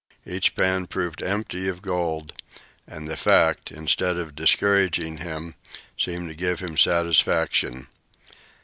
Each pan proved empty of gold, and the fact, instead of discouraging him, seemed to give him satisfaction.